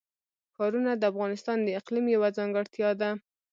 ښارونه د افغانستان د اقلیم یوه ځانګړتیا ده.